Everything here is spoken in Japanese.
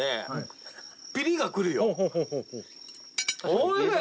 おいしい！